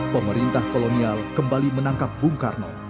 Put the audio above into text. pemerintah kolonial kembali menangkap bung karno